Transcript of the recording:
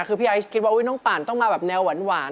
คือพี่ไอซ์คิดว่าน้องป่านต้องมาแบบแนวหวาน